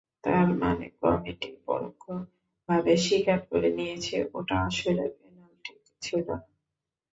তার মানে, কমিটি পরোক্ষভাবে স্বীকার করে নিয়েছে ওটা আসলে পেনাল্টি ছিল না।